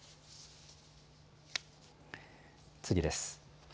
次です。